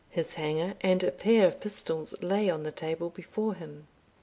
His hanger and a pair of pistols lay on the table before him.